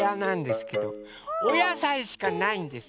おやさいしかないんです！